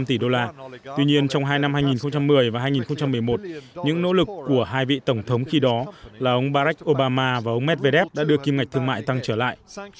tuy nhiên trong hai năm hai nghìn một mươi và hai nghìn một mươi một những nỗ lực của hai vị tổng thống khi đó là ông barack obama và ông medvedev đã đưa kim ngạch thương mại tăng trở lại